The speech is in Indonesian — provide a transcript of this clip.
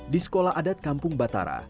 di sekolah adat kampung batara